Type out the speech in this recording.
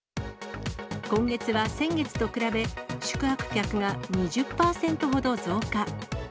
今月は先月と比べ、宿泊客が２０％ほど増加。